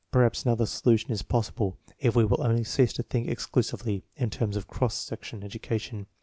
Perhaps another solution is possible if we will only cease to think exclusively in terms of cross section education.